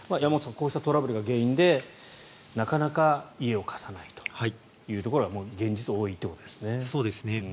こうしたトラブルが原因でなかなか家を貸さないというところが現実、多いということですね。